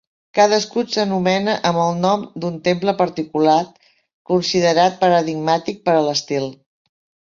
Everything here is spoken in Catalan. Cadascun s'anomena amb el nom d'un temple particular, considerat paradigmàtic per a l'estil.